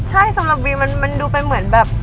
ใช่สำหรับวีมันดูเป็นเหมือนแบบ